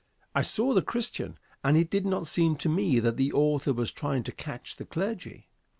I saw "The Christian," and it did not seem to me that the author was trying to catch the clergy.